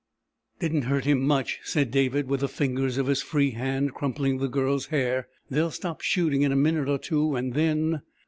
"Didn't hurt him much," said David, with the fingers of his free hand crumpling the Girl's hair. "They'll stop shooting in a minute or two, and then...."